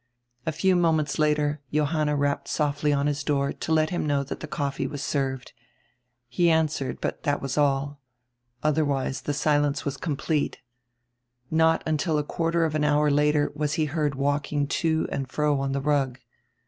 A few moments later Johanna rapped softly on his door to let him know that die coffee was served. He answered, but drat was all. Odrerwise die silence was conrplete. Not until a quarter of air hour later was he heard walking to and fro on the rug.